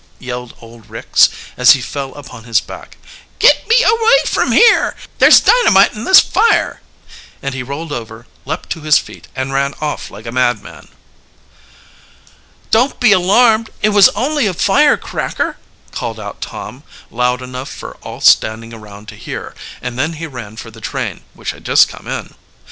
yelled old Ricks, as he fell upon his back. "Get me away from here! There's dynamite in this fire!" And he rolled over, leapt to his feet, and ran off like a madman. "Don't be alarmed it was only a firecracker," called out Tom, loud enough for all standing around to hear, and then he ran for the train, which had just come in.